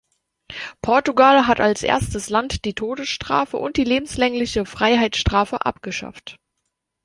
Portugal hat als erstes Land die Todesstrafe und die lebenslängliche Freiheitsstrafe abgeschafft.